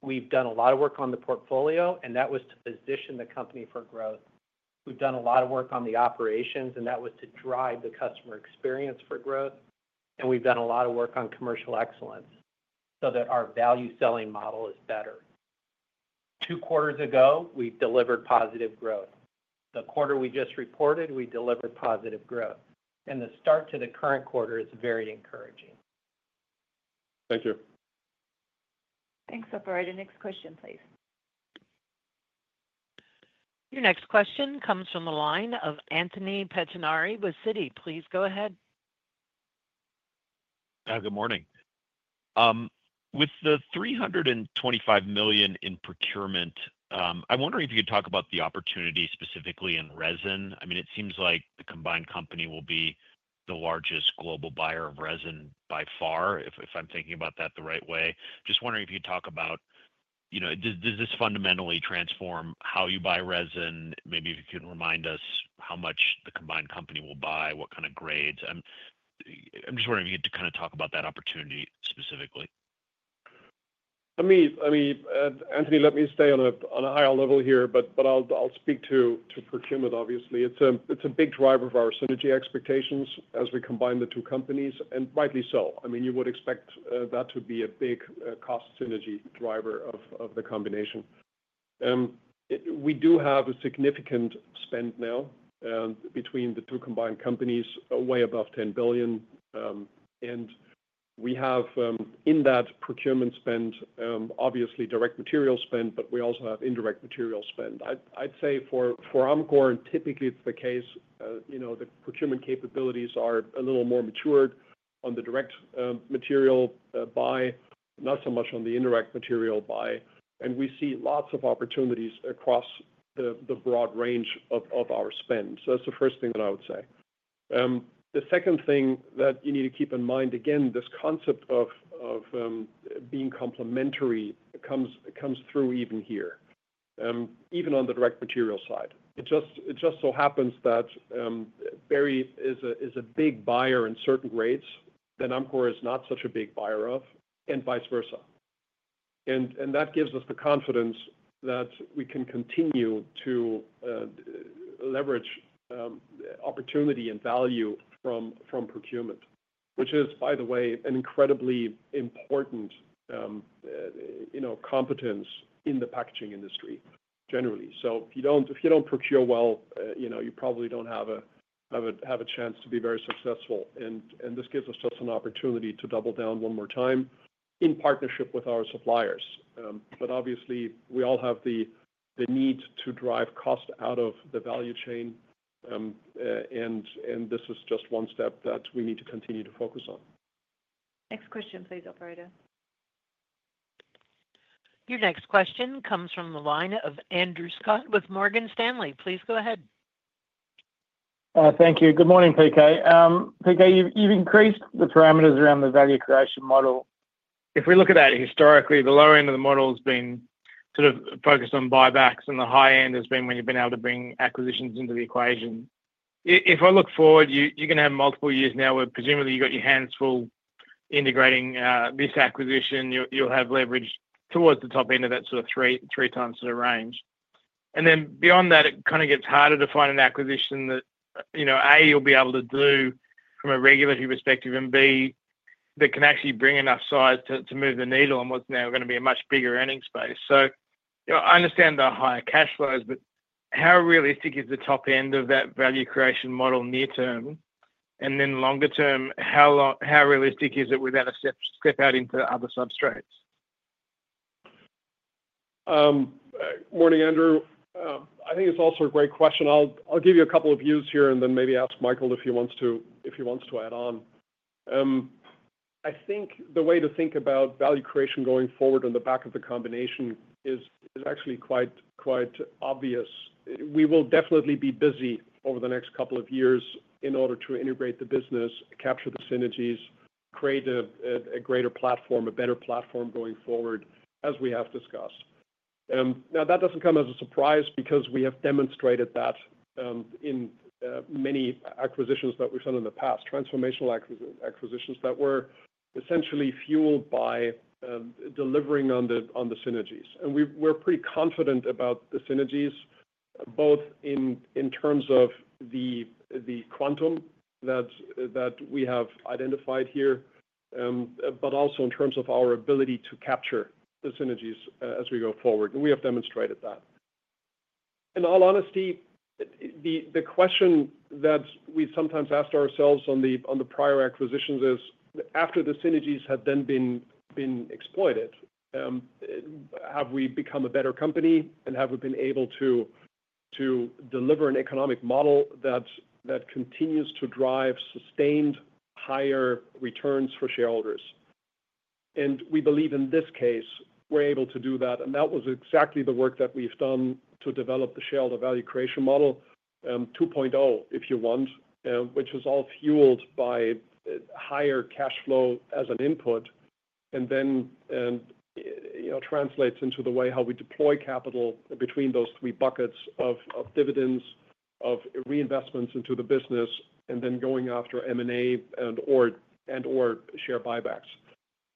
S4: we've done a lot of work on the portfolio, and that was to position the company for growth. We've done a lot of work on the operations, and that was to drive the customer experience for growth. And we've done a lot of work on commercial excellence so that our value selling model is better. Two quarters ago, we delivered positive growth. The quarter we just reported, we delivered positive growth. And the start to the current quarter is very encouraging.
S3: Thank you.
S2: Thanks, Operator. Next question, please.
S1: Your next question comes from the line of Anthony Pettinari with Citi. Please go ahead.
S12: Good morning. With the $325 million in procurement, I'm wondering if you could talk about the opportunity specifically in resin. I mean, it seems like the combined company will be the largest global buyer of resin by far, if I'm thinking about that the right way. Just wondering if you could talk about, does this fundamentally transform how you buy resin? Maybe if you could remind us how much the combined company will buy, what kind of grades. I'm just wondering if you could kind of talk about that opportunity specifically.
S3: I mean, Anthony, let me stay on a higher level here, but I'll speak to procurement, obviously. It's a big driver of our synergy expectations as we combine the two companies, and rightly so. I mean, you would expect that to be a big cost synergy driver of the combination. We do have a significant spend now between the two combined companies, way above $10 billion. And we have, in that procurement spend, obviously direct material spend, but we also have indirect material spend. I'd say for Amcor, and typically it's the case, the procurement capabilities are a little more matured on the direct material buy, not so much on the indirect material buy. And we see lots of opportunities across the broad range of our spend. So that's the first thing that I would say. The second thing that you need to keep in mind, again, this concept of being complementary comes through even here, even on the direct material side. It just so happens that Berry is a big buyer in certain grades that Amcor is not such a big buyer of, and vice versa, and that gives us the confidence that we can continue to leverage opportunity and value from procurement, which is, by the way, an incredibly important competence in the packaging industry generally, so if you don't procure well, you probably don't have a chance to be very successful, and this gives us just an opportunity to double down one more time in partnership with our suppliers, but obviously, we all have the need to drive cost out of the value chain, and this is just one step that we need to continue to focus on.
S2: Next question, please, Operator.
S1: Your next question comes from the line of Andrew Scott with Morgan Stanley. Please go ahead.
S13: Thank you. Good morning, PK. PK, you've increased the parameters around the value creation model. If we look at that historically, the lower end of the model has been sort of focused on buybacks, and the high end has been when you've been able to bring acquisitions into the equation. If I look forward, you're going to have multiple years now where presumably you've got your hands full integrating this acquisition. You'll have leverage towards the top end of that sort of three-time sort of range. And then beyond that, it kind of gets harder to find an acquisition that, A, you'll be able to do from a regulatory perspective, and B, that can actually bring enough size to move the needle on what's now going to be a much bigger earnings space. So I understand the higher cash flows, but how realistic is the top end of that value creation model near-term? Longer-term, how realistic is it without a step out into other substrates?
S3: Morning, Andrew. I think it's also a great question. I'll give you a couple of views here and then maybe ask Michael if he wants to add on. I think the way to think about value creation going forward on the back of the combination is actually quite obvious. We will definitely be busy over the next couple of years in order to integrate the business, capture the synergies, create a greater platform, a better platform going forward, as we have discussed. Now, that doesn't come as a surprise because we have demonstrated that in many acquisitions that we've done in the past, transformational acquisitions that were essentially fueled by delivering on the synergies, and we're pretty confident about the synergies, both in terms of the quantum that we have identified here, but also in terms of our ability to capture the synergies as we go forward. And we have demonstrated that. In all honesty, the question that we sometimes asked ourselves on the prior acquisitions is, after the synergies have then been exploited, have we become a better company, and have we been able to deliver an economic model that continues to drive sustained higher returns for shareholders? And we believe in this case, we're able to do that. And that was exactly the work that we've done to develop the Shareholder Value Creation Model 2.0, if you want, which is all fueled by higher cash flow as an input, and then translates into the way how we deploy capital between those three buckets of dividends, of reinvestments into the business, and then going after M&A and/or share buybacks.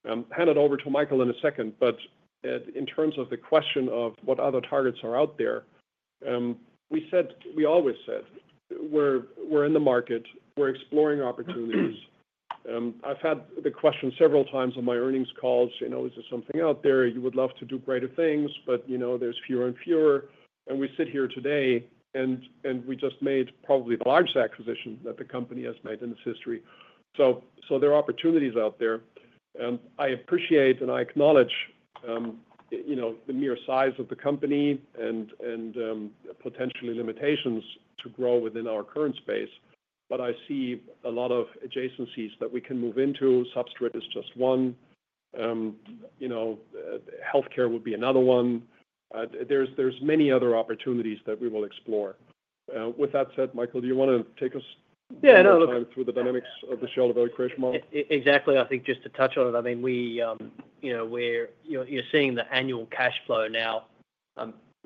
S3: Hand it over to Michael in a second. But in terms of the question of what other targets are out there, we always said, "We're in the market. We're exploring opportunities." I've had the question several times on my earnings calls. Is there something out there? You would love to do greater things, but there's fewer and fewer. And we sit here today, and we just made probably the largest acquisition that the company has made in its history. So there are opportunities out there. And I appreciate and I acknowledge the mere size of the company and potentially limitations to grow within our current space. But I see a lot of adjacencies that we can move into. Substrate is just one. Healthcare would be another one. There's many other opportunities that we will explore. With that said, Michael, do you want to take us through the dynamics of the shareholder value creation model?
S5: Exactly. I think just to touch on it, I mean, you're seeing the annual cash flow now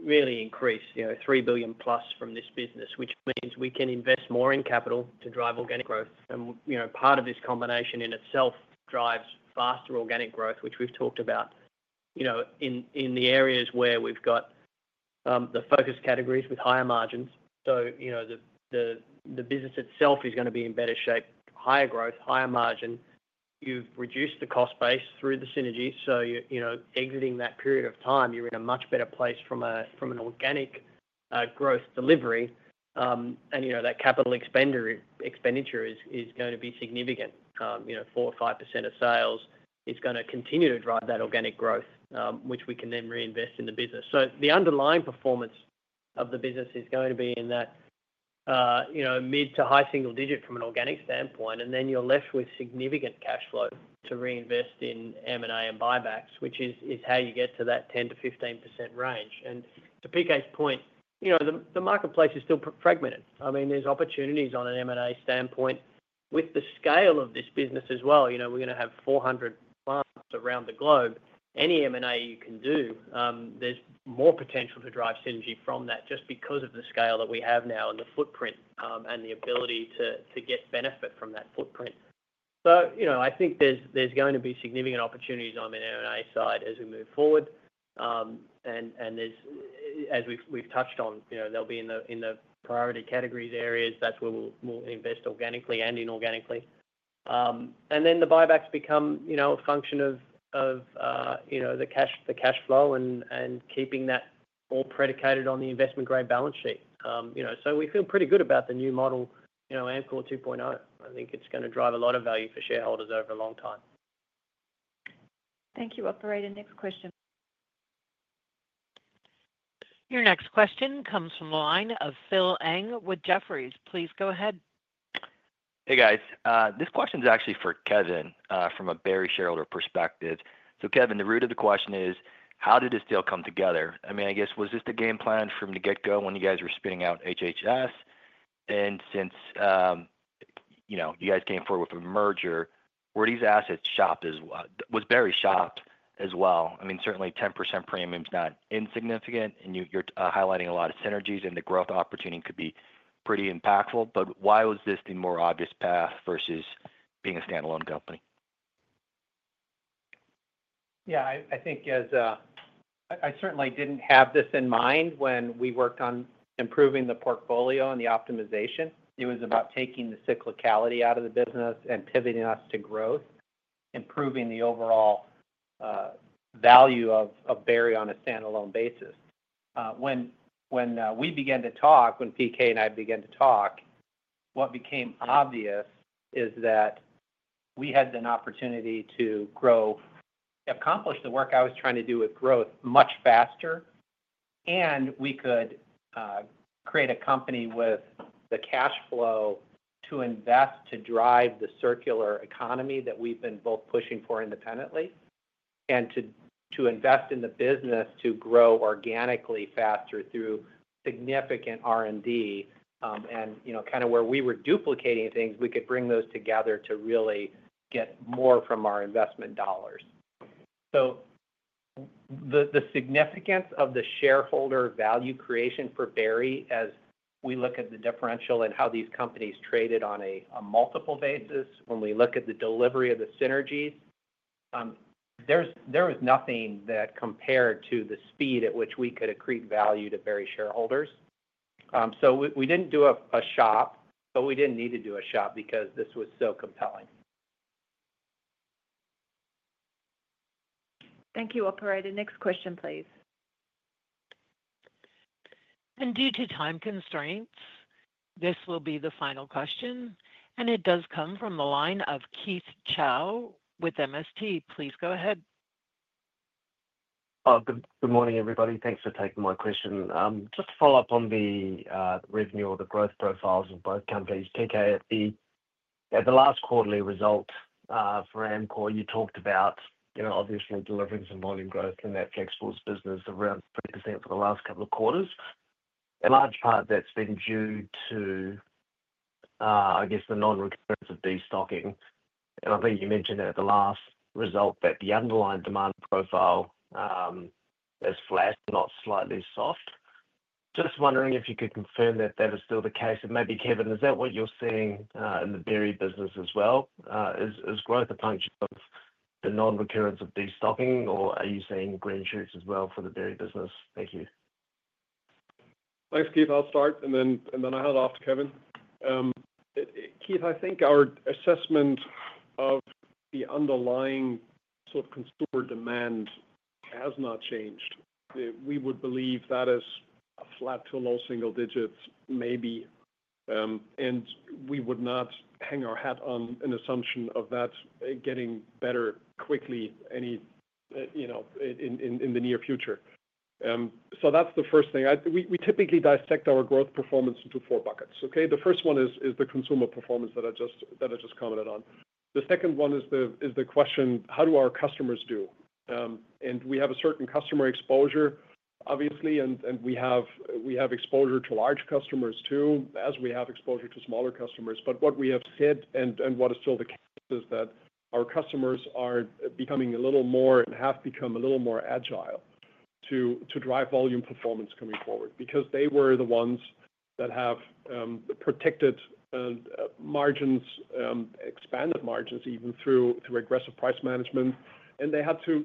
S5: really increase, $3 billion plus from this business, which means we can invest more in capital to drive organic growth. And part of this combination in itself drives faster organic growth, which we've talked about in the areas where we've got the focus categories with higher margins. So the business itself is going to be in better shape, higher growth, higher margin. You've reduced the cost base through the synergy. So exiting that period of time, you're in a much better place from an organic growth delivery. And that capital expenditure is going to be significant. 4% or 5% of sales is going to continue to drive that organic growth, which we can then reinvest in the business. So the underlying performance of the business is going to be in that mid- to high-single-digit from an organic standpoint. And then you're left with significant cash flow to reinvest in M&A and buybacks, which is how you get to that 10%-15% range. And to PK's point, the marketplace is still fragmented. I mean, there's opportunities on an M&A standpoint with the scale of this business as well. We're going to have 400 plants around the globe. Any M&A you can do, there's more potential to drive synergy from that just because of the scale that we have now and the footprint and the ability to get benefit from that footprint. So I think there's going to be significant opportunities on the M&A side as we move forward. And as we've touched on, they'll be in the priority categories areas. That's where we'll invest organically and inorganically. And then the buybacks become a function of the cash flow and keeping that all predicated on the investment grade balance sheet. So we feel pretty good about the new model, Amcor 2.0. I think it's going to drive a lot of value for shareholders over a long time.
S2: Thank you, Operator. Next question.
S1: Your next question comes from the line of Philip Ng with Jefferies. Please go ahead.
S14: Hey, guys. This question is actually for Kevin from a Berry shareholder perspective. So Kevin, the root of the question is, how did this deal come together? I mean, I guess, was this the game plan from the get-go when you guys were spinning out HH&S? And since you guys came forward with a merger, were these assets shopped as well? Was Berry shopped as well? I mean, certainly 10% premium is not insignificant, and you're highlighting a lot of synergies, and the growth opportunity could be pretty impactful. But why was this the more obvious path versus being a standalone company?
S4: Yeah. I think I certainly didn't have this in mind when we worked on improving the portfolio and the optimization. It was about taking the cyclicality out of the business and pivoting us to growth, improving the overall value of Berry on a standalone basis. When we began to talk, when PK and I began to talk, what became obvious is that we had an opportunity to grow, accomplish the work I was trying to do with growth much faster, and we could create a company with the cash flow to invest to drive the circular economy that we've been both pushing for independently and to invest in the business to grow organically faster through significant R&D. And kind of where we were duplicating things, we could bring those together to really get more from our investment dollars. So the significance of the shareholder value creation for Berry, as we look at the differential and how these companies traded on a multiple basis, when we look at the delivery of the synergies, there was nothing that compared to the speed at which we could accrete value to Berry shareholders. So we didn't do a shop, but we didn't need to do a shop because this was so compelling.
S2: Thank you, Operator. Next question, please.
S1: And due to time constraints, this will be the final question. And it does come from the line of Keith Chau with MST. Please go ahead.
S15: Good morning, everybody. Thanks for taking my question. Just to follow up on the revenue or the growth profiles of both companies, PK at the last quarterly result for Amcor, you talked about obviously delivering some volume growth in that flexible business around 3% for the last couple of quarters. A large part of that's been due to, I guess, the non-recurrence of destocking. And I think you mentioned at the last result that the underlying demand profile is flat, not slightly soft. Just wondering if you could confirm that that is still the case. And maybe, Kevin, is that what you're seeing in the Berry business as well? Is growth a function of the non-recurrence of destocking, or are you seeing green shoots as well for the Berry business? Thank you.
S3: Thanks, Keith. I'll start, and then I'll hand it off to Kevin. Keith, I think our assessment of the underlying sort of consumer demand has not changed. We would believe that is a flat to low single digits, maybe, and we would not hang our hat on an assumption of that getting better quickly in the near future, so that's the first thing. We typically dissect our growth performance into four buckets. Okay? The first one is the consumer performance that I just commented on. The second one is the question, how do our customers do? And we have a certain customer exposure, obviously, and we have exposure to large customers too, as we have exposure to smaller customers. But what we have said and what is still the case is that our customers are becoming a little more and have become a little more agile to drive volume performance coming forward because they were the ones that have protected margins, expanded margins even through aggressive price management, and they had to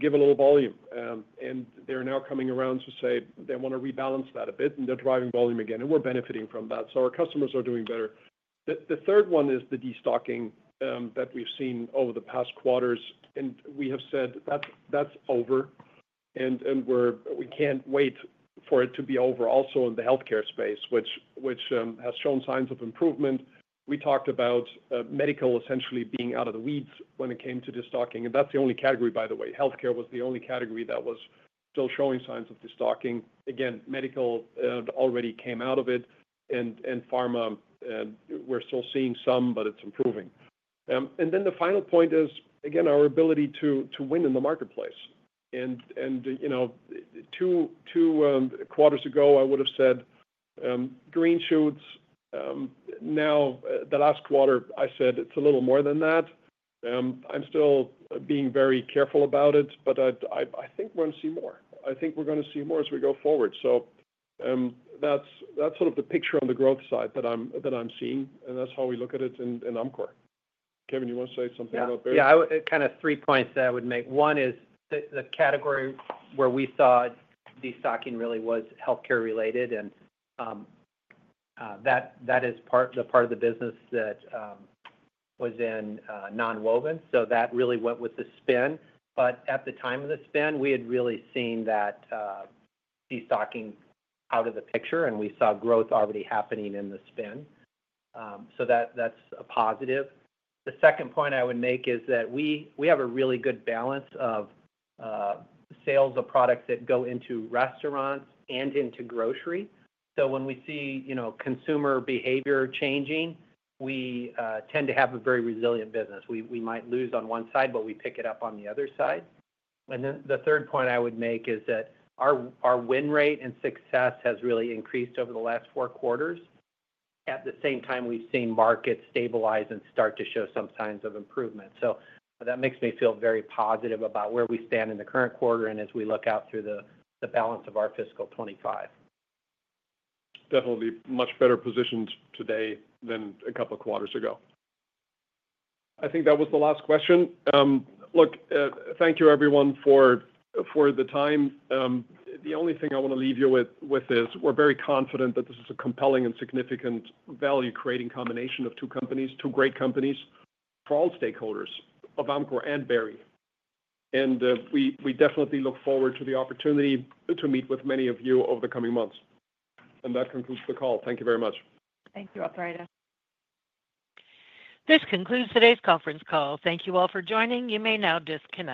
S3: give a little volume, and they're now coming around to say they want to rebalance that a bit, and they're driving volume again, and we're benefiting from that, so our customers are doing better. The third one is the destocking that we've seen over the past quarters, and we have said that's over, and we can't wait for it to be over also in the healthcare space, which has shown signs of improvement. We talked about medical essentially being out of the weeds when it came to destocking, and that's the only category, by the way. Healthcare was the only category that was still showing signs of destocking. Again, medical already came out of it, and pharma, we're still seeing some, but it's improving, and then the final point is, again, our ability to win in the marketplace, and two quarters ago, I would have said green shoots. Now, the last quarter, I said it's a little more than that. I'm still being very careful about it, but I think we're going to see more. I think we're going to see more as we go forward, so that's sort of the picture on the growth side that I'm seeing, and that's how we look at it in Amcor. Kevin, you want to say something about Berry?
S4: Yeah. Kind of three points that I would make. One is the category where we saw destocking really was healthcare related, and that is the part of the business that was in nonwoven. So that really went with the spin. But at the time of the spin, we had really seen that destocking out of the picture, and we saw growth already happening in the spin. So that's a positive. The second point I would make is that we have a really good balance of sales of products that go into restaurants and into grocery. So when we see consumer behavior changing, we tend to have a very resilient business. We might lose on one side, but we pick it up on the other side. And then the third point I would make is that our win rate and success has really increased over the last four quarters. At the same time, we've seen markets stabilize and start to show some signs of improvement. So that makes me feel very positive about where we stand in the current quarter and as we look out through the balance of our fiscal 2025.
S3: Definitely much better positioned today than a couple of quarters ago. I think that was the last question. Look, thank you, everyone, for the time. The only thing I want to leave you with is we're very confident that this is a compelling and significant value-creating combination of two companies, two great companies for all stakeholders of Amcor and Berry. And we definitely look forward to the opportunity to meet with many of you over the coming months. And that concludes the call. Thank you very much.
S2: Thank you, Operator.
S1: This concludes today's conference call. Thank you all for joining. You may now disconnect.